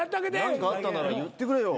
何かあったなら言ってくれよ。